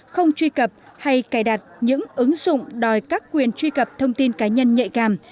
không truy cập hay cài đặt những ứng dụng đòi các quyền truy cập thông tin cá nhân nhạy cảm